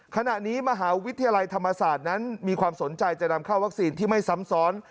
ขณะนี้มหาวิทยาลัยธรรมศาสตร์นั้นมีความสนใจจะนำเข้าวัคซีนที่ไม่ซ้ำซ้อน